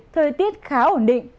thời tiết khá ổn định